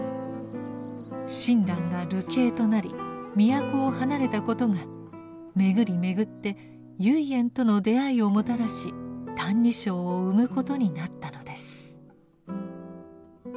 親鸞が流刑となり都を離れたことが巡り巡って唯円との出会いをもたらし「歎異抄」を生むことになったのです。